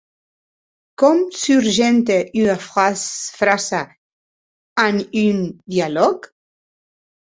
Com surgente ua frasa en un dialòg?